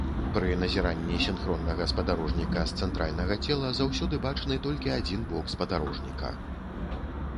Пры назіранні сінхроннага спадарожніка з цэнтральнага цела заўсёды бачны толькі адзін бок спадарожніка.